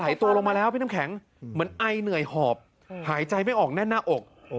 ตัวลงมาแล้วพี่น้ำแข็งเหมือนไอเหนื่อยหอบหายใจไม่ออกแน่นหน้าอก